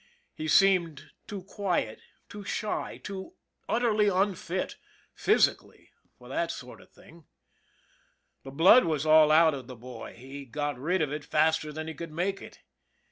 He seemed too quiet, too shy, too utterly unfit, physically, for that sort of thing. The blood was all out of the boy he got rid of it faster than he could make it.